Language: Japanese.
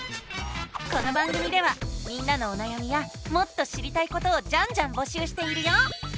この番組ではみんなのおなやみやもっと知りたいことをジャンジャンぼしゅうしているよ！